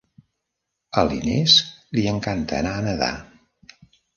A l'Ines li encanta anar a nedar.